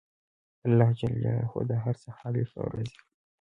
الله ج د هر څه خالق او رازق دی